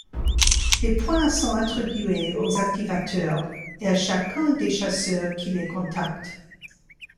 Des points sont attribués aux activateurs, et à chacun des chasseurs qui les contacte.